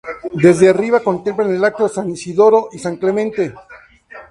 Desde arriba contemplan el acto San Isidoro y San Clemente.